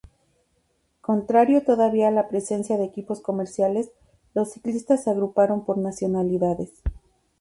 Contrario todavía a la presencia de equipos comerciales, los ciclistas se agruparon por nacionalidades.